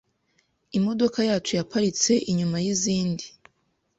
Imodoka yacu yaparitse inyuma y’izindi